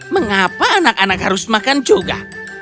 mengapa anak anak harus makan juga